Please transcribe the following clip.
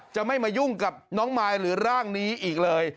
จะไม่มายุ่งกับน้องมายหรือร่างนี้อีกเลย